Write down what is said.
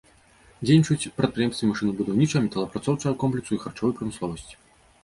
Дзейнічаюць прадпрыемствы машынабудаўнічага, металаапрацоўчага комплексу і харчовай прамысловасці.